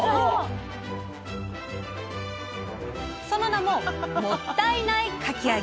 その名も「もったいないかき揚げ」。